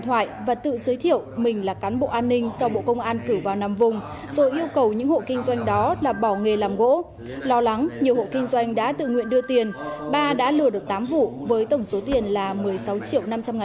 hãy đăng ký kênh để ủng hộ kênh của chúng mình nhé